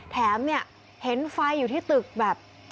แถมเนี่ยเห็นไฟอยู่ที่ตึกแบบ